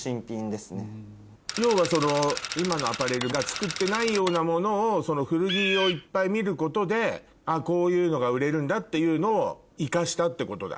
要は今のアパレルが作ってないようなものを古着をいっぱい見ることでこういうのが売れるんだっていうのを生かしたってことだ？